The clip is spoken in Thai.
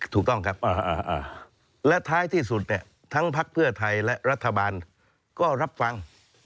ถูกต้องครับและท้ายที่สุดเนี่ยทั้งพักเพื่อไทยและรัฐบาลก็รับฟัง